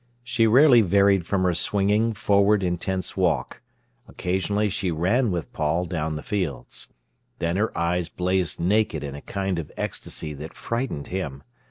She rarely varied from her swinging, forward, intense walk. Occasionally she ran with Paul down the fields. Then her eyes blazed naked in a kind of ecstasy that frightened him.